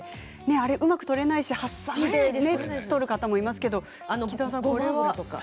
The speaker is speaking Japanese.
あれはうまく取れないしはさみで取る方もいますけれども鬼沢さん、これは？